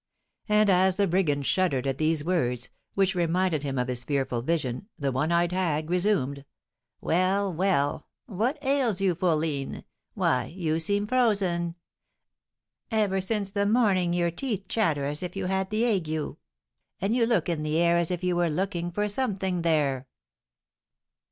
And as the brigand shuddered at these words, which reminded him of his fearful vision, the one eyed hag resumed, "Well, well, what ails you, fourline? Why, you seem frozen! Ever since the morning your teeth chatter as if you had the ague; and you look in the air as if you were looking for something there!"